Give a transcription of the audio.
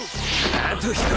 あと１人！